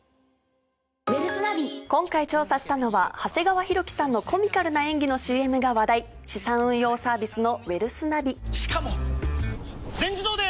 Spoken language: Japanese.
今回調査したのは長谷川博己さんのコミカルな演技の ＣＭ が話題資産運用サービスのウェルスナビしかも！全自動で！